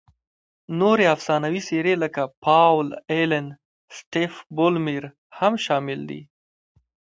نورې افسانوي څېرې لکه پاول الن، سټیف بولمیر هم شامل دي.